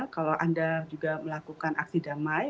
kalau anda juga melakukan aksi damai